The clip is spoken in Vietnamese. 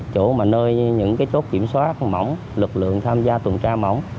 chỗ mà nơi những chốt kiểm soát mỏng lực lượng tham gia tuần tra mỏng